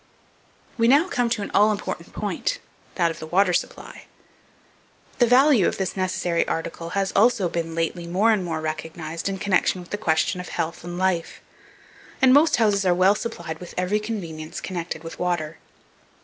We now come to an all important point, that of the water supply. The value of this necessary article has also been lately more and more recognized in connection with the question of health and life; and most houses are well supplied with every convenience connected with water.